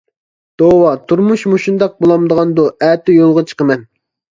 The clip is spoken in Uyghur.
توۋا، تۇرمۇش مۇشۇنداق بولامدىغاندۇ، ئەتە يولغا چىقىمەن.